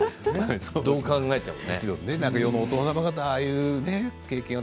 どう考えても。